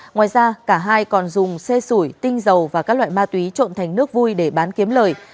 ngoài ra cả hai còn dùng xe sủi tinh dầu và các loại ma túy trộn thành nước vui để bán kiếm lời